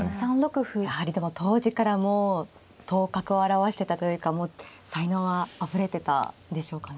やはりでも当時からもう頭角を現してたというか才能はあふれてたんでしょうかね。